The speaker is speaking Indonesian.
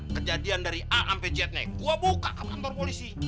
kejadian dari a sampai z naik gue buka ke kantor polisi